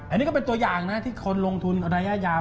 อันนี้ก็เป็นตัวอย่างนะที่คนลงทุนระยะยาว